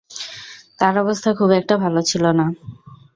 তার অবস্থা খুব একটা ভালো ছিল না।